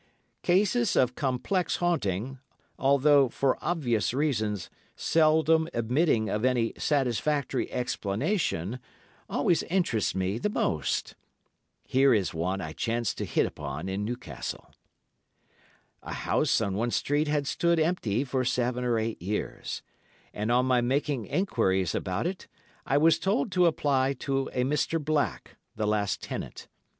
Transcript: Cases of complex haunting, although, for obvious reasons, seldom admitting of any satisfactory explanation, always interest me the most. Here is one I chanced to hit upon in Newcastle. A house in —— Street had stood empty for seven or eight years, and on my making enquiries about it, I was told to apply to a Mr. Black, the last tenant.